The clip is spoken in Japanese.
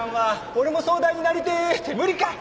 俺も総代になりてえ！って無理か！